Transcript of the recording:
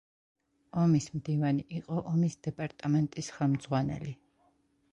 ომის მდივანი იყო ომის დეპარტამენტის ხელმძღვანელი.